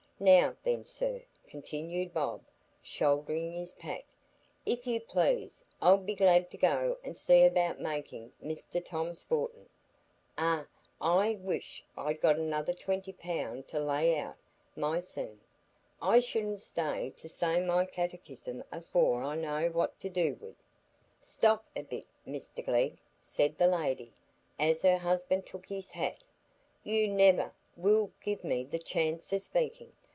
Now then, sir," continued Bob, shouldering his pack, "if you please, I'll be glad to go and see about makin' Mr Tom's fortin. Eh, I wish I'd got another twenty pound to lay out _my_sen; I shouldn't stay to say my Catechism afore I knowed what to do wi't." "Stop a bit, Mr Glegg," said the lady, as her husband took his hat, "you never will give me the chance o' speaking.